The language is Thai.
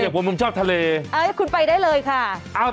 อย่าบอกว่าผมชอบทะเลคุณไปได้เลยค่ะ